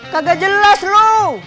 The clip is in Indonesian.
kagak jelas lu